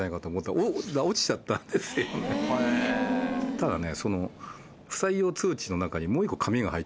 ただね。